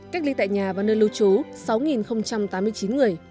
cách ly tại nhà và nơi lưu trú sáu tám mươi chín người